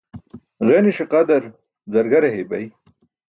Ġeniṣe qadar zargare heybay.